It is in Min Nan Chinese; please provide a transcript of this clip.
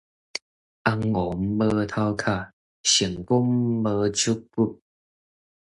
尪王無頭殼，聖公無手骨